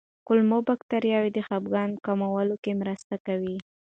کولمو بکتریاوې د خپګان د کمولو کې مرسته کوي.